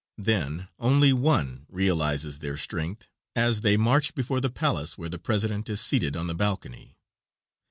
Then only one realizes their strength, as they march before the palace where the president is seated on the balcony.